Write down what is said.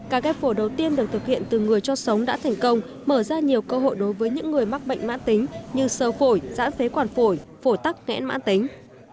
ca ghép phổi đầu tiên được thực hiện từ người cho sống đã thành công mở ra nhiều cơ hội đối với những người mắc bệnh mãn tính như sơ phổi giãn phế quản phổi phổi tắc nghẽn mãn tính